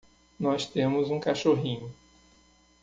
Nós temos um cachorrinho